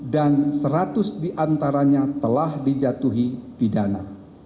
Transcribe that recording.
dan seratus diantaranya telah dijatuhi pidana